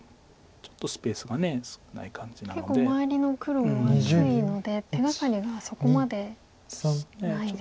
結構周りの黒も厚いので手がかりがそこまでないですか。